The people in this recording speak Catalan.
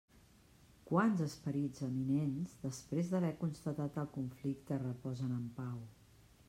Quants esperits eminents, després d'haver constatat el conflicte, reposen en pau!